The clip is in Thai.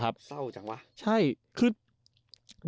ก็เก่าจังว่ะ